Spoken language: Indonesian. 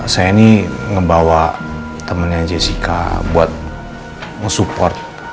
saya ini ngebawa temannya jessica buat nge support